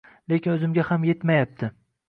Lekin oʻzimga ham yetmayapti.